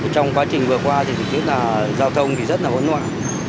trong quá trình vừa qua thì thực hiện là giao thông rất là vấn ngoạn